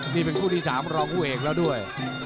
นี่เป็นคู่ที่๓รองคู่เอกแล้วด้วย